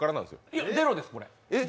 いや、０ですこれ。